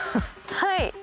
はい。